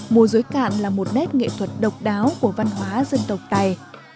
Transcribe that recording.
mùa dối cạn là một nét nghệ thuật độc đáo của văn hóa dân tộc tài